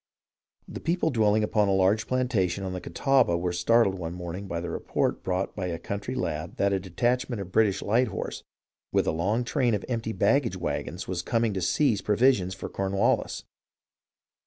The people dwelling upon a large plantation on the Catawba were startled one morning by the report brought by a country lad that a detachment of British light horse with a long train of empty baggage vi^agons was coming to seize provisions for Cornwallis.